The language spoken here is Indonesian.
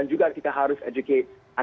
dan juga kita harus mengajarkan